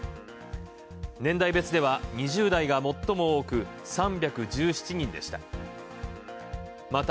年代別では２０代が最も多く３１７人でした。